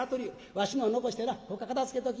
わしのを残してなほか片づけとき」。